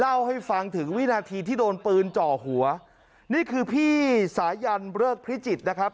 เล่าให้ฟังถึงวินาทีที่โดนปืนจ่อหัวนี่คือพี่สายันเริกพิจิตรนะครับ